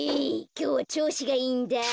きょうはちょうしがいいんだ。